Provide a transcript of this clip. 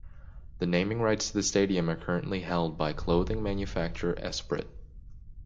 The naming rights to the stadium are currently held by clothing manufacturer Esprit.